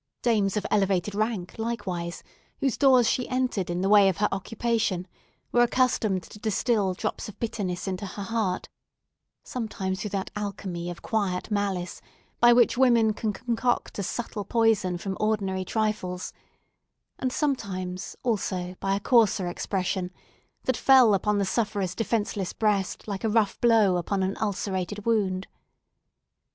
Dames of elevated rank, likewise, whose doors she entered in the way of her occupation, were accustomed to distil drops of bitterness into her heart; sometimes through that alchemy of quiet malice, by which women can concoct a subtle poison from ordinary trifles; and sometimes, also, by a coarser expression, that fell upon the sufferer's defenceless breast like a rough blow upon an ulcerated wound.